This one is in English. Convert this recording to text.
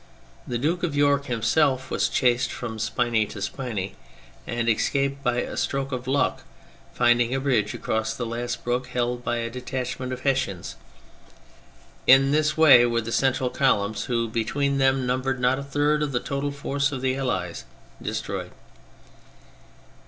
The Duke of York himself was chased from spinney to spinney and escaped by a stroke of luck, finding a bridge across the last brook held by a detachment of Hessians. In this way were the central columns, who between them numbered not a third of the total force of the Allies, destroyed.